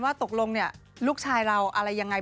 ว่าตกลงลูกชายเราอะไรยังไง